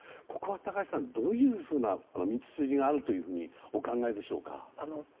ここは高橋さん、どういうふうな道筋があるとお考えでしょうか。